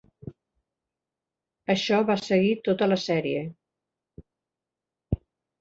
Això va seguir tota la sèrie.